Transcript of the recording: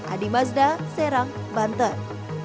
adi mazda serang banten